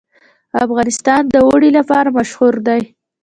افغانستان د اوړي لپاره مشهور دی.